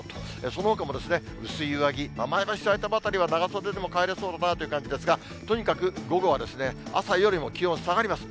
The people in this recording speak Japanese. そのほかも薄い上着、前橋辺りは長袖でも帰れそうだなという感じですが、とにかく午後は朝よりも気温下がります。